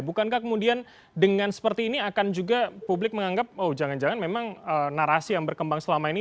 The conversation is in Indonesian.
bukankah kemudian dengan seperti ini akan juga publik menganggap oh jangan jangan memang narasi yang berkembang selama ini